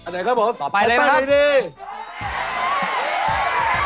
ใดครับผม์ต่อไปเลยนะครับ